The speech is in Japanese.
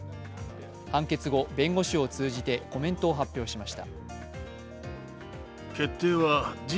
判決後、弁護士を通じてコメントを発表しました。